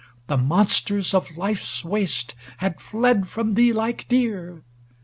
The monsters of life's waste had fled from thee like deer.